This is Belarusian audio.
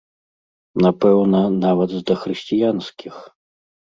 Напэўна, нават з дахрысціянскіх.